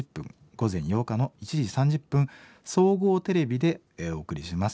午前８日の１時３０分総合テレビでお送りします。